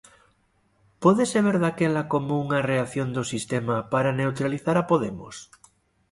Pódese ver daquela como unha reacción do sistema para neutralizar a Podemos?